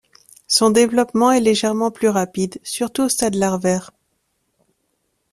Son développement est légèrement plus rapide, surtout au stade larvaire.